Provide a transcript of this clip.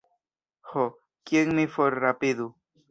Ho, kien mi forrapidu?